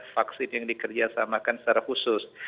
vaksin yang dikerjasamakan secara khusus